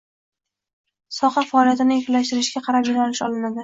soha faoliyatini erkinlashtirishga qarab yo‘nalish olinadi